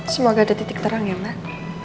semoga ada titik terang ya mbak